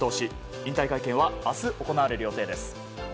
引退会見は明日行われる予定です。